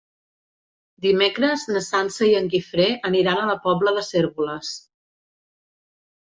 Dimecres na Sança i en Guifré aniran a la Pobla de Cérvoles.